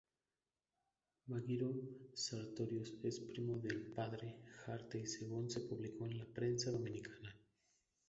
Muguiro Sartorius es primo del padre Hartley según se publicó en la prensa dominicana.